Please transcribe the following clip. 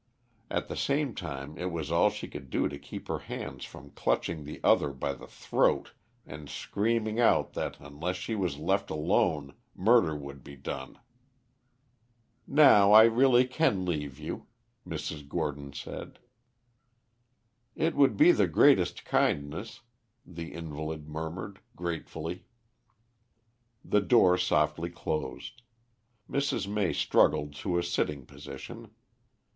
At the same time it was all she could do to keep her hands from clutching the other by the throat and screaming out that unless she was left alone murder would be done. "Now I really can leave you," Mrs. Gordon said. "It would be the greatest kindness," the invalid murmured gratefully. The door softly closed; Mrs. May struggled to a sitting position.